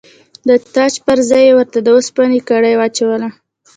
د تاج پر ځای یې ورته د اوسپنې کړۍ واچوله.